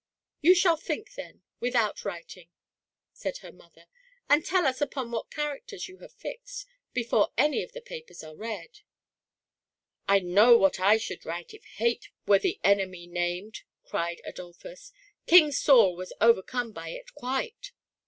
"You shall think, then, without writing," said her mother, "and tell us upon what characters you have fixed, before any of the papers are read." " I know what I should write if Hate were the enemy 148 THE PRISONER IN DARKNESS. named," cried Adolphus; "King Saul was overcome by it quite